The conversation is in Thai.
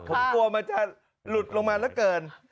ผมกลัวมันจะหลุดลงมาเหลือเกิน